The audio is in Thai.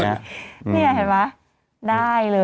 นี่เห็นไหมได้เลย